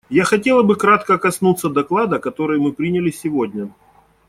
Я хотела бы кратко коснуться доклада, который мы приняли сегодня.